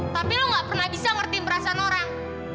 tapi lo gak pernah bisa ngerti perasaan orang